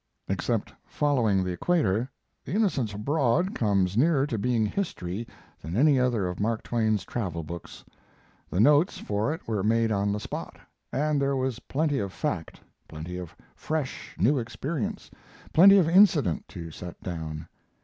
Except Following the Equator, The Innocents Abroad comes nearer to being history than any other of Mark Twain's travel books. The notes for it were made on the spot, and there was plenty of fact, plenty of fresh, new experience, plenty of incident to set down.